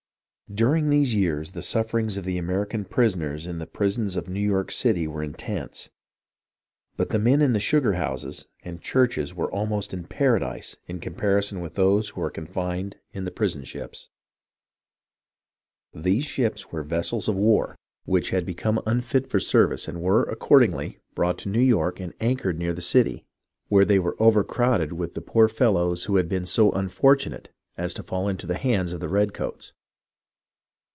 During these years the sufferings of the American prisoners in the prisons of New York City were intense ; but the men in the sugar houses and churches were almost in paradise in comparison with those who were confined in the prison ships. These ships were vessels of war 314 HISTORY OF THE AMERICAN REVOLUTION which had become unfit for service and were, accordingly, brought to New York and anchored near the city, where they were overcrowded with the poor fellows who had been so unfortunate as to fall into the hands of the red coats.